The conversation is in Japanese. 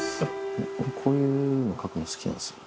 こういうの書くの好きなんですよね。